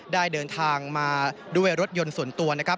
ได้เดินทางมาด้วยรถยนต์ส่วนตัวนะครับ